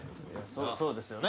そうですよね。